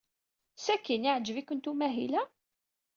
Sakkin yeɛjeb-ikent umahil-a?